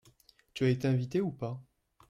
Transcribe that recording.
Tu as été invité ou pas ?